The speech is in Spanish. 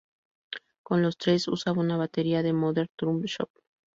Con Los Tres, usaba una batería "The Modern Drum Shop".